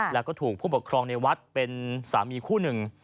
แล้วก็ถูกผู้ปกครองในวัดเป็นสามีคู่หนึ่ง